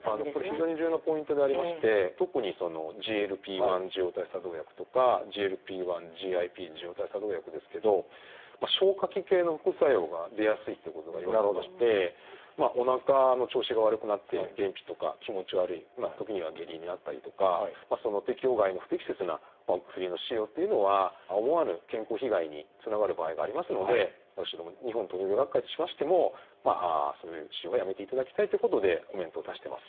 非常に重要なポイントでありまして特にＧＬＰ−１受容体作動薬とかＧＬＰ−１／ＧＩＰ受容体作動薬ですけど消化器系の副作用が出やすいってことがいわれてましておなかの調子が悪くなって便秘とか気持ち悪い時には下痢になったりとか適応外の不適切なお薬の使用っていうのは思わぬ健康被害につながる場合がありますので私ども日本糖尿病学会としましてもそういう治療はやめていただきたいということでコメントを出してます。